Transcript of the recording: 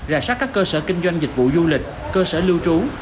rà soát các cơ sở kinh doanh dịch vụ du lịch cơ sở lưu trú